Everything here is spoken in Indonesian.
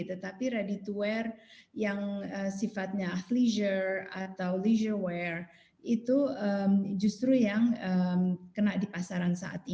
tetapi ready to wear yang sifatnya athleisure yang bisa dibilang kreatif yang bisa dibilang kreatif yang bisa dibilang kreatif